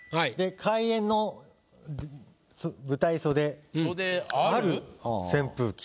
「開演の舞台袖ある扇風機」。